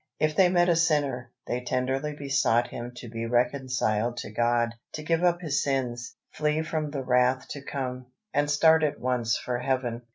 If they met a sinner, they tenderly besought him to be reconciled to God, to give up his sins, "flee from the wrath to come," and start at once for Heaven.